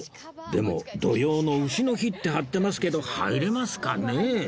でも「土用の丑の日」って貼ってますけど入れますかね？